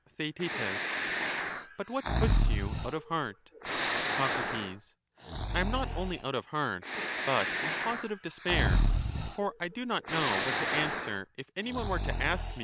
Theaet But what puts you out of heart ? Soc, I am not only out of heart, but in positive despair ; Our simile for I do not know what to answer if any one were to ask °*^?